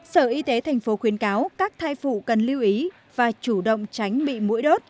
sở y tế tp khuyến cáo các thai phụ cần lưu ý và chủ động tránh bị mũi đốt